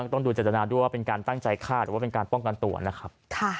ต้องดูเจตนาด้วยว่าเป็นการตั้งใจฆ่าหรือว่าเป็นการป้องกันตัวนะครับ